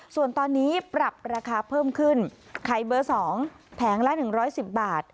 ส่วนตอนนี้ปรับราคาเพิ่มขึ้นไข่เบอร์๒แผงละ๑๑๐บาท